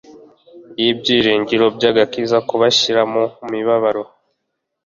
y'ibyiringiro by'agakiza kubashyira mu mibabaro